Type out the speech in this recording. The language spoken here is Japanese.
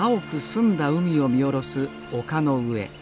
澄んだ海を見下ろす丘の上。